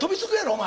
お前。